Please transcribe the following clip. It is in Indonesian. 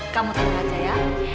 kamu tetap bercaya